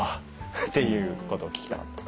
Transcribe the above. っていうことを聞きたかった。